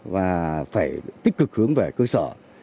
và phải tích cực hướng về cơ sở